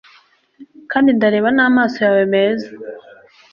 Kandi ndareba namaso yawe meza